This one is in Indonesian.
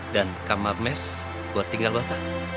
dan kamar mes buat tinggal bapak